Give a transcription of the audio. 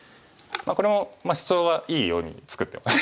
これもシチョウはいいように作ってます。